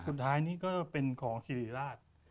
สุดท้ายนี่ก็เป็นของสิริราช